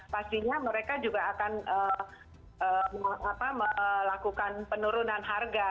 pastinya mereka juga akan melakukan penurunan harga